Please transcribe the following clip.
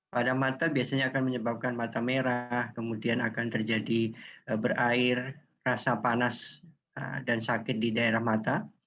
pada mata biasanya akan menyebabkan mata merah kemudian akan terjadi berair rasa panas dan sakit di daerah mata